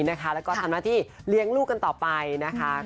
แล้วก็ทำหน้าที่เลี้ยงลูกกันต่อไปนะคะ